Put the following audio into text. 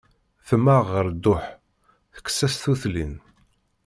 Temmeɣ ɣer dduḥ, tekkes-as tutlin.